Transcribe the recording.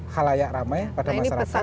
halayak ramai pada masyarakat nah ini pesan